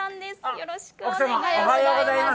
よろしくお願いします。